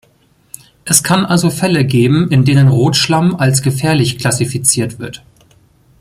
Es kann also Fälle geben, in denen Rotschlamm als gefährlich klassifiziert wird.